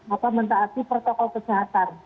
atau mentaati protokol kesehatan